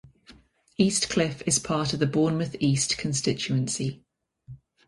East Cliff is part of the Bournemouth East constituency.